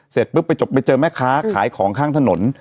เสร็จปุ๊บไปจบไปเจอแม่ค้าขายของข้างถนน